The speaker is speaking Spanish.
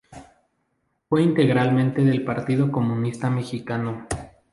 Fue integrante del Partido Comunista Mexicano.